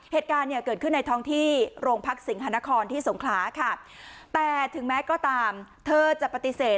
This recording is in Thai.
เหตุการณ์เนี่ยเกิดขึ้นในท้องที่โรงพักสิงหานครที่สงขลาค่ะแต่ถึงแม้ก็ตามเธอจะปฏิเสธ